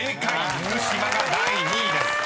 「福島」が第２位です］え！